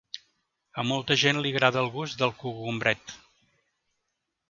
A molta gent li agrada el gust del cogombret.